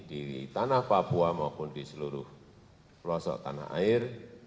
di tanah papua maupun di seluruh pelosok tanah air